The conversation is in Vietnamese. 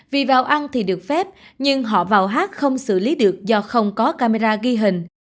vì vào ăn thì được phép nhưng họ vào hát không xử lý được do không có camera ghi hình